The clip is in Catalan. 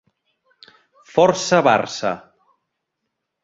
Força Barça.